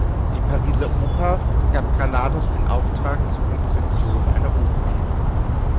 Die Pariser Oper gab Granados den Auftrag zur Komposition einer Oper.